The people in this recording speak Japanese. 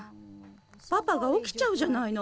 パパがおきちゃうじゃないの。